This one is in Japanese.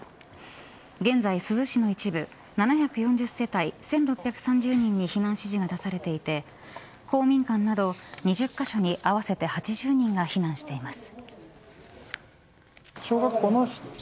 現在、珠洲市の一部７４０世帯１６３０人に避難指示が出されていて公民館など２０カ所に合わせて８０人が避難しています。